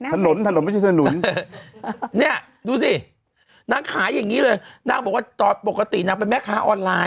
ถนนถนนไม่ใช่ถนนเนี่ยดูสินางขายอย่างนี้เลยนางบอกว่าตอนปกตินางเป็นแม่ค้าออนไลน์